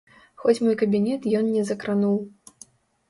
Хоць мой кабінет ён не закрануў.